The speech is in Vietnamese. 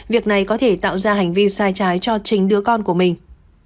việc này có thể tạo ra hành vi sai trái cho chính đứa con của mình